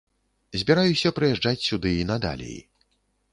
Збіраюся прыязджаць сюды і надалей.